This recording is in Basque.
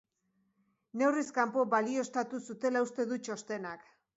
Neurriz kanpo balioztatu zutela uste du txostenak.